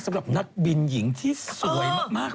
สำหรับนักบินหญิงที่สวยมาก